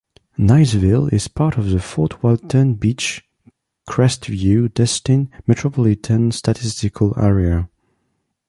Niceville is part of the Fort Walton Beach-Crestview-Destin Metropolitan Statistical Area.